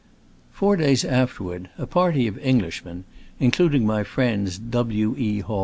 Four days afterward a party of Eng lishmen (including my friends W. E.